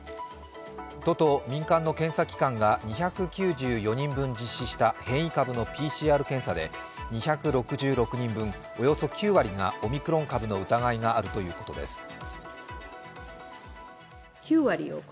都と民間の検査機関が２９４人分実施した変異株のＰＣＲ検査で２６６人分、およそ９割がオミクロン株の疑いがあるということです。